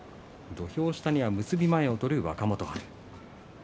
土俵下には結び前を取る若元春。